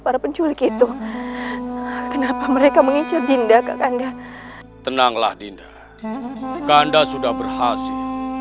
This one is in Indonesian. para penculik itu kenapa mereka mengincar dinda kakak tenanglah dinda kanda sudah berhasil